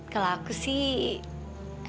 kalau aku sih